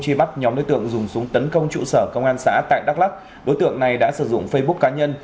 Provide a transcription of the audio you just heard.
truy bắt nhóm đối tượng dùng súng tấn công trụ sở công an xã tại đắk lắc đối tượng này đã sử dụng facebook cá nhân